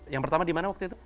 yang pertama di mana waktu itu